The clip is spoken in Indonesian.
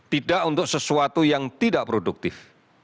tidak untuk sesuatu yang tidak produktif